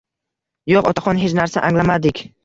Yoʻq, otaxon, hech narsa anglamadik